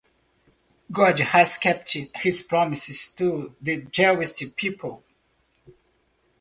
God has kept his promise to the Jewish people.